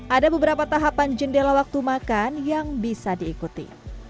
ada beberapa tahapan jendela waktu makan yang bisa diikuti